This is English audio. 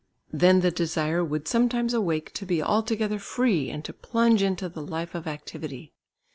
Then the desire would sometimes awake to be altogether free and to plunge into the life of activity.